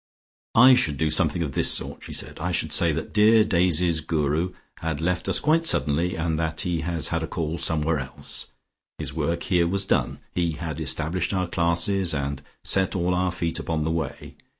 "I should do something of this sort," she said. "I should say that dear Daisy's Guru had left us quite suddenly, and that he has had a call somewhere else. His work here was done; he had established our classes, and set all our feet upon the Way.